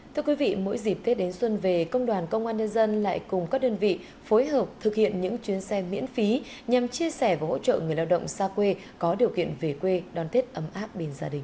thưa quý vị mỗi dịp tết đến xuân về công đoàn công an nhân dân lại cùng các đơn vị phối hợp thực hiện những chuyến xe miễn phí nhằm chia sẻ và hỗ trợ người lao động xa quê có điều kiện về quê đón tết ấm áp bên gia đình